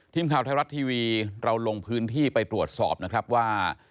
ทีมข่าวไทยรัฐทีวีเราลงพื้นที่ไปตรวจสอบนะครับว่า